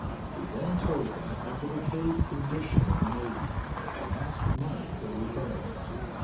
He then told them of the decayed condition of the navy, and asked money for repairing it.